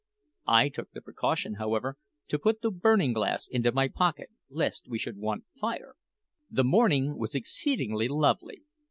I took the precaution, however, to put the burning glass into my pocket lest we should want fire. The morning was exceedingly lovely.